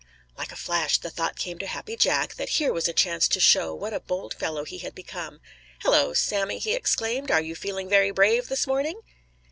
Like a flash the thought came to Happy Jack that here was a chance to show what a bold fellow he had become. "Hello, Sammy!" he exclaimed. "Are you feeling very brave this morning?"